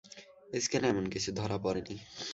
স্ক্যানে এমন কিছু ধরা পড়েনি।